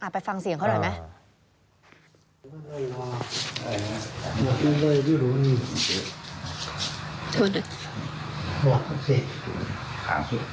ไปฟังเสียงเขาหน่อยไหม